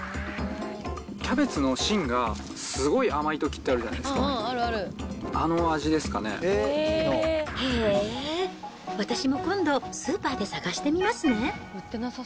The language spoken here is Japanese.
キャベツの芯がすごい甘いときってあるじゃないですか、あの味でへー、私も今度、スーパーで探してみますね。